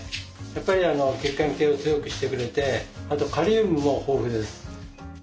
やっぱり血管系を強くしてくれてあとカリウムも豊富です。